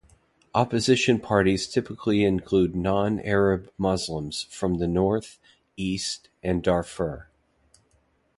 Opposition parties typically include non-Arab Muslims from the north, east, and Darfur.